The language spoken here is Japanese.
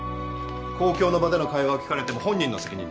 公共の場での会話を聞かれても本人の責任ですよ。